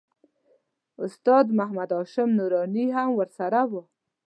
استاد محمد هاشم نوراني هم ورسره و.